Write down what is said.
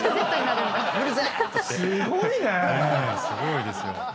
すごいね！